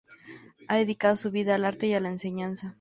Ha dedicado su vida al arte y a la enseñanza.